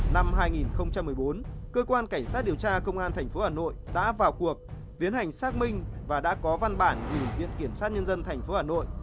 năm hai nghìn một mươi bốn cơ quan cảnh sát điều tra công an thành phố hà nội đã vào cuộc biến hành xác minh và đã có văn bản dùng viện kiểm sát nhân dân thành phố hà nội